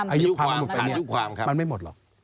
อายุความมันไม่หมดหรอก